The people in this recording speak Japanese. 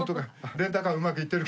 レンタカーうまくいってるか？